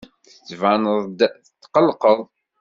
Tettbaneḍ-d tetqelqeḍ.